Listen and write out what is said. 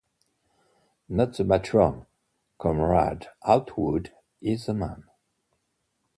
Not the matron — Comrade Outwood is the man.